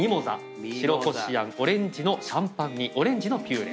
白こしあんオレンジのシャンパン煮オレンジのピューレ。